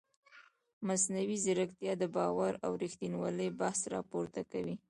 مصنوعي ځیرکتیا د باور او ریښتینولۍ بحث راپورته کوي.